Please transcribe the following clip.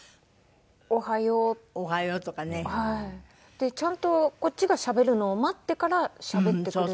でちゃんとこっちがしゃべるのを待ってからしゃべってくれる。